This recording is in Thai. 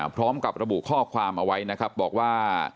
พร้อมกับระบุข้อความเอาไว้นะครับบอกว่า